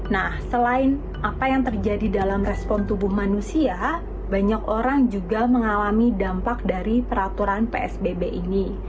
nah selain apa yang terjadi dalam respon tubuh manusia banyak orang juga mengalami dampak dari peraturan psbb ini